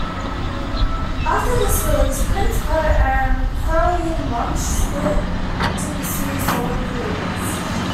After this release, Prince Po and Pharoahe Monch split to pursue solo careers.